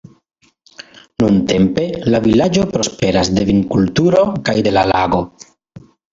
Nuntempe la vilaĝo prosperas de vinkulturo kaj de la lago.